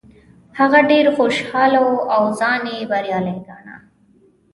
هغه ډیر خوشحاله و او ځان یې بریالی ګاڼه.